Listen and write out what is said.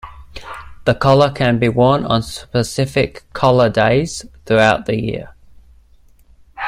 The collar can be worn on specific 'Collar Days' throughout the year.